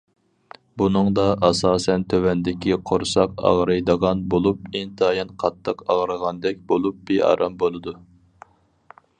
بۇنىڭدا ئاساسەن تۆۋەندىكى قورساق ئاغرىيدىغان بولۇپ ئىنتايىن قاتتىق ئاغرىغاندەك بولۇپ بىئارام بولىدۇ.